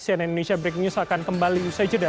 cnn indonesia breaking news akan kembali usai jeda